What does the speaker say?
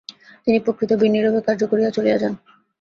কিন্তু প্রকৃত বীর নীরবে কার্য করিয়া চলিয়া যান।